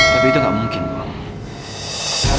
tapi itu gak mungkin bunga